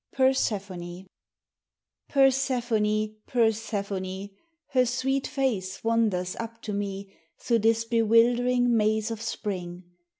XX Persephone Persephone, Persephone her sweet face wanders up to me, Through this bewildering maze of spring.